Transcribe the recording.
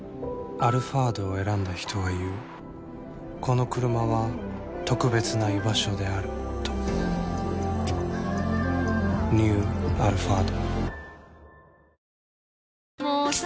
「アルファード」を選んだ人は言うこのクルマは特別な居場所であるとニュー「アルファード」もうさ